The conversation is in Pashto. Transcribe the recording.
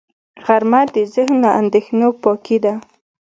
غرمه د ذهن له اندېښنو پاکي ده